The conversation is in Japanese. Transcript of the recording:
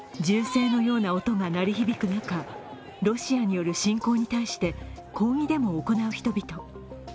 銃声のような音が鳴り響く中ロシアによる侵攻に対して抗議デモを行う人々。